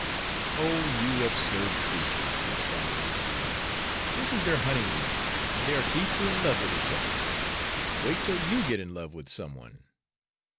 "Oh, you absurd creature!" responded Lucille, "this is their honeymoon, and they are deeply in love with each other. Wait till you get in love with some one."